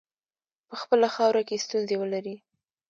په خپله خاوره کې ستونزي ولري.